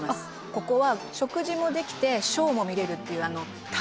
「ここは食事もできてショーも見れるっていうタブラオ」